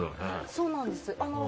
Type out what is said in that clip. そうなんです。